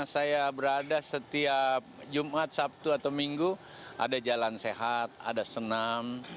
saya berada setiap jumat sabtu atau minggu ada jalan sehat ada senam